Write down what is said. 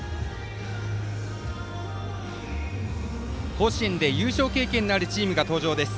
甲子園で優勝経験のあるチームが登場です。